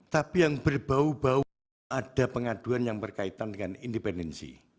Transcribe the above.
tapi yang berbau bau itu ada pengaduan yang berkaitan dengan independensi